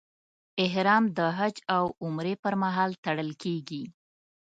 احرام د حج او عمرې پر مهال تړل کېږي.